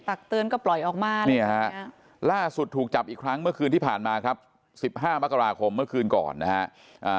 ตักเตือนก็ปล่อยออกมาเนี่ยฮะล่าสุดถูกจับอีกครั้งเมื่อคืนที่ผ่านมาครับสิบห้ามกราคมเมื่อคืนก่อนนะฮะ